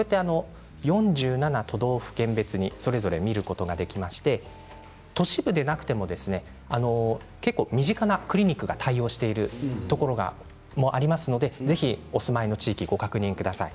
４７都道府県別にそれぞれ見ることができまして都市部でなくても結構身近なクリニックが対応しているところもありますのでぜひお住まいの地域ご確認ください。